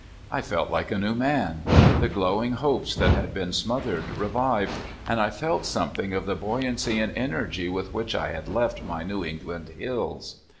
I felt like a new man. The glowing hopes that had been smothered revived, and I felt something of the buoyancy and energy with which I had left my New England hills.